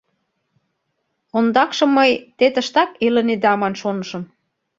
— Ондакше мый те тыштак илынеда ман шонышым.